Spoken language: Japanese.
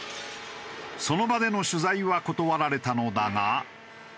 その場での取材は断られたのだが。